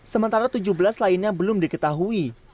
sementara tujuh belas lainnya belum diketahui